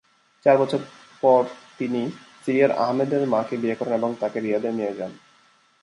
চার বছর পর, তিনি সিরিয়ায় আহমদের মাকে বিয়ে করেন এবং তাকে রিয়াদে নিয়ে যান।